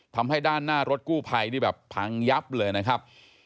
ทำให้ด้านหน้ารถกู้ภัยนี่แบบพังยับเลยนะครับ